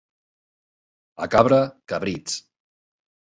A Cabra, cabrits.